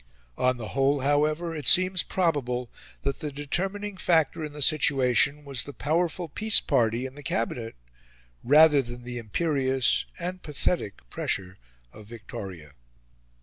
On the whole, however, it seems probable that the determining factor in the situation was the powerful peace party in the Cabinet rather than the imperious and pathetic pressure of Victoria.